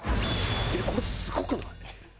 これすごくない？